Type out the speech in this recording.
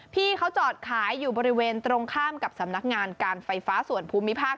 พี่เขาจอดขายอยู่บริเวณตรงข้ามกับสำนักงานการไฟฟ้าส่วนภูมิภาค